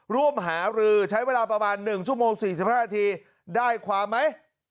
ร่วมหารือใช้เวลาประมาณ๑ชั่วโมง๔๕นาทีได้ความไหม